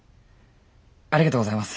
ありがとうございます。